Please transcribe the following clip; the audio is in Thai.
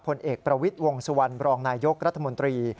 ผลเอกประวิทย์วงสุวรรณบรองนายยกรัฐมนตรี